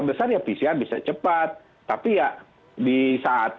besar ya pcr bisa cepat tapi ya di saat